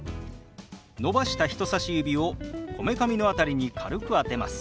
伸ばした人さし指をこめかみの辺りに軽く当てます。